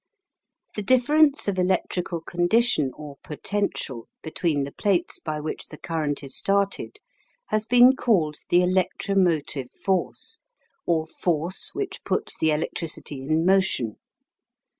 The difference of electrical condition or "potential" between the plates by which the current is started has been called the electromotive force, or force which puts the electricity in motion.